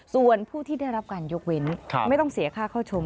ส่วนผู้ที่ได้รับการยกเว้นไม่ต้องเสียค่าเข้าชม